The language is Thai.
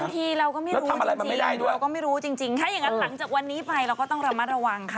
บางทีเราก็ไม่รู้จริงแล้วทำอะไรมันไม่ได้ด้วยเราก็ไม่รู้จริงแค่อย่างนั้นหลังจากวันนี้ไปเราก็ต้องระมัดระวังค่ะ